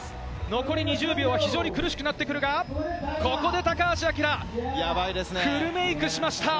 残り２０秒は苦しくなってくるが、ここで高橋彬、フルメイクしました。